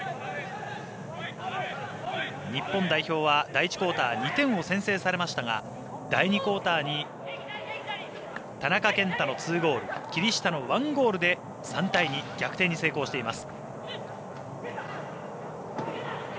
日本代表は第１クオーター２点を先制されましたが第２クオーターに田中健太の２ゴール霧下の１ゴールで、３対２逆転に成功しています。